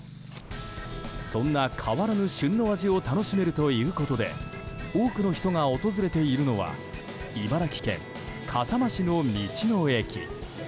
そんな変わらぬ旬の味を楽しめるということで多くの人が訪れているのは茨城県笠間市の道の駅。